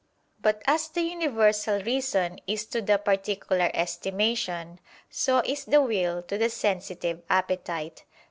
But as the universal reason is to the particular estimation, so is the will to the sensitive appetite.